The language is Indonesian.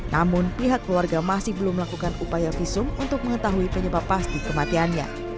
namun pihak keluarga masih belum melakukan upaya visum untuk mengetahui penyebab pasti kematiannya